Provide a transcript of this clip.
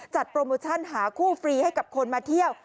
โปรโมชั่นหาคู่ฟรีให้กับคนมาเที่ยว